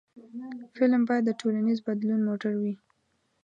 فلم باید د ټولنیز بدلون موټر وي